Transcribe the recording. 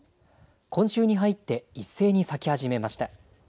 今週に入って一斉に咲き始めました。